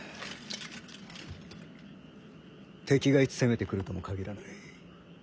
敵がいつ攻めてくるとも限らない。